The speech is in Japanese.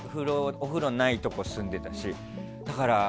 お風呂ないとこ住んでたし。